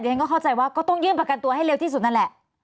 ฉันก็เข้าใจว่าก็ต้องยื่นประกันตัวให้เร็วที่สุดนั่นแหละ